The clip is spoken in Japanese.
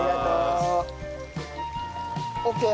オッケー！